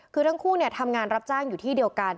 คือทั้งคู่ทำงานรับจ้างอยู่ที่เดียวกัน